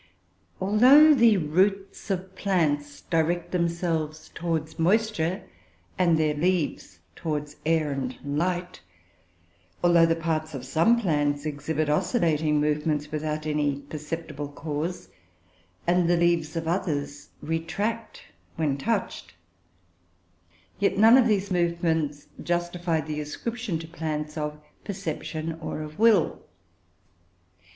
Although the roots of plants direct themselves towards moisture, and their leaves towards air and light, although the parts of some plants exhibit oscillating movements without any perceptible cause, and the leaves of others retract when touched, yet none of these movements justify the ascription to plants of perception or of will.